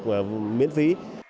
là miễn phí